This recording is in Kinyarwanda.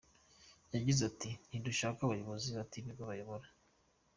Yagize ati “Ntidushaka abayobozi bata ibigo bayobora.